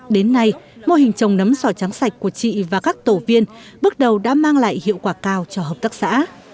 đến nay mô hình trồng nấm sò trắng sạch của chị và các tổ viên bước đầu đã mang lại hiệu quả cao cho hợp tác xã